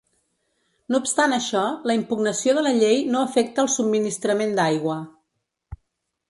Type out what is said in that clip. No obstant això, la impugnació de la llei no afecta al subministrament d’aigua.